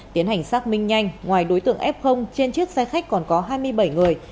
tiến hành xác minh nhanh ngoài đối tượng f trên chiếc xe khách còn có hai mươi bảy người